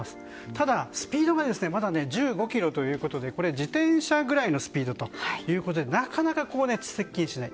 ただ、スピードがまだ１５キロということでこれは自転車ぐらいのスピードとということでなかなか接近しない。